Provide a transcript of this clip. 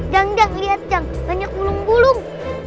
jang jang lihat yang banyak bulung bulung